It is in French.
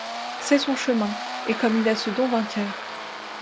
Sait son chemin, et comme il a ce don vainqueur